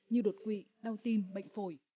như đột quỵ đau tim bệnh phổi